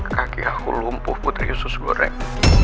kaki aku lumpuh putri yusus goreng